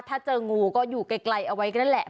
ถ้าเจองูก็อยู่ไกลเอาไว้ก็นั่นแหละ